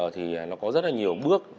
thì nó có rất là nhiều bước